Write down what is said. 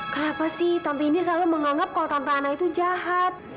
kenapa sih tante indi selalu menganggap kalau tante ana itu jahat